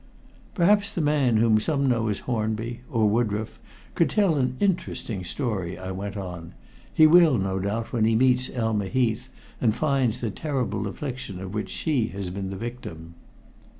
"Perhaps the man whom some know as Hornby, or Woodroffe, could tell an interesting story," I went on. "He will, no doubt, when he meets Elma Heath, and finds the terrible affliction of which she has been the victim."